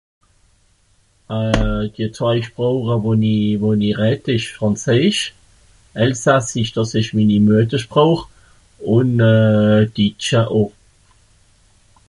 euh die zwei Sproche, wo-n-i... wo-n-i redd ìsch Franzeesch, Elsassisch, dàs ìsch mini Müettersproch, ùn euh, d Ditscha, o.